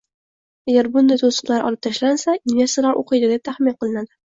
Agar bunday to'siqlar olib tashlansa, investorlar o'qiydi deb taxmin qilinadi